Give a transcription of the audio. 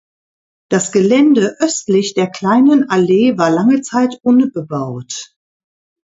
Das Gelände östlich der Kleinen Allee war lange Zeit unbebaut.